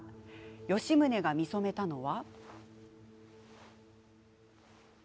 吉宗が見初めたのは。